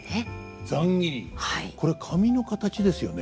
これ髪の形ですよね。